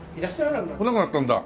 来なくなったんだ。